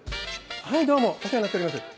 はいどうもお世話になっております。